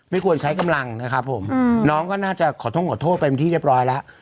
ควรใช้กำลังนะครับผมน้องก็น่าจะขอโทษขอโทษไปเป็นที่เรียบร้อยแล้ว